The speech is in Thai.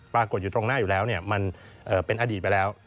ปรากฏอยู่ตรงหน้าอยู่แล้วมันเป็นอดีตไปแล้ว